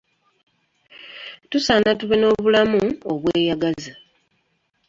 Tusaana tube n'obulamu obweyagaza.